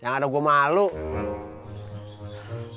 bundes gee dengan kurang